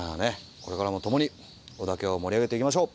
これからも共に織田家を盛り上げていきましょう。